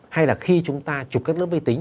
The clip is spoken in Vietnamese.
hay là khi chúng ta chụp các lớp vi tính